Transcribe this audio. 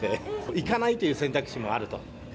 行かないという選択肢もあると。